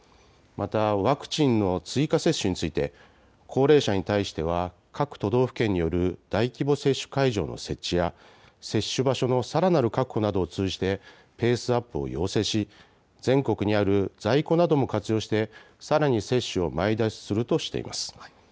また、ワクチンの追加接種について高齢者に対しては各都道府県による大規模接種会場の設置や接種場所のさらなる確保などを通じてペースアップを要請し全国にある在庫なども活用してさらに接種を前倒しするとしています。